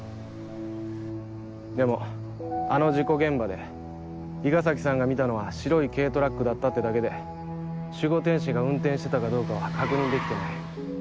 でもあの事故現場で伊賀崎さんが見たのは白い軽トラックだったってだけで守護天使が運転してたかどうかは確認できてない。